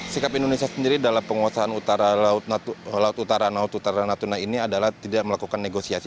sikap indonesia sendiri dalam penguasaan laut utara laut utara natuna ini adalah tidak melakukan negosiasi